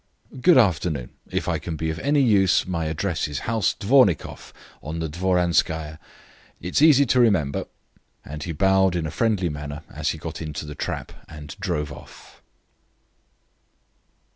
"Good afternoon. If I can be of any use, my address is House Dvornikoff, on the Dvoryanskaya; it's easy to remember." And he bowed in a friendly manner as he got into the trap and drove off.